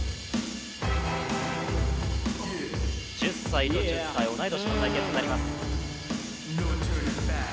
１０歳と１０歳同い年の対決になります。